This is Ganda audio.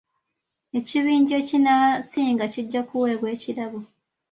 Ekibinja ekinasinga kijja kuweebwa ekirabo.